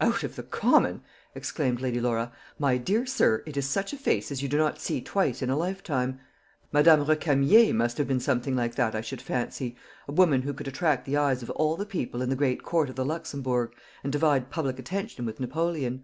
"Out of the common!" exclaimed Lady Laura. "My dear sir, it is such a face as you do not see twice in a lifetime. Madame Recamier must have been something like that, I should fancy a woman who could attract the eyes of all the people in the great court of the Luxembourg, and divide public attention with Napoleon."